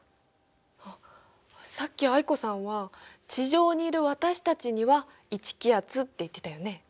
あっさっき藍子さんは「地上にいる私たちには１気圧」って言ってたよね。